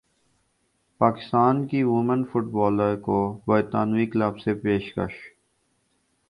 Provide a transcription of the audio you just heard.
پاکستان کی women footballer کو برطانوی کلب سے پیشکش